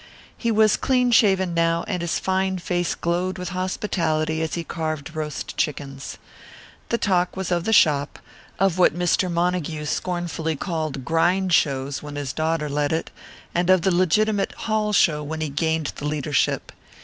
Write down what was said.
He was clean shaven now and his fine face glowed with hospitality as he carved roast chickens. The talk was of the shop: of what Mr. Montague scornfully called "grind shows" when his daughter led it, and of the legitimate hall show when he gained the leadership.